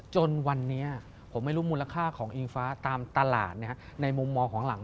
จนวันนี้ผมไม่รู้มูลค่าของอิงฟ้าตามตลาดในมุมมองของหลัง